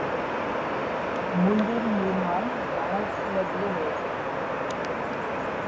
মন্দির নির্মাণ গ্রানাইট শিলা দিয়ে হয়েছে।